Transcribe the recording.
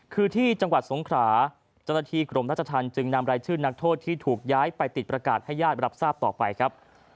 คือที่จังหวัดสงขราเจ้าหน้าที่กรมราชธรรมจึงนำรายชื่อนักโทษที่ถูกย้ายไปติดประกาศให้ญาติรับทราบต่อไปครับ